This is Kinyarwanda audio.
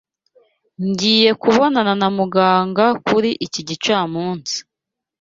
Ngiye kubonana na muganga kuri iki gicamunsi.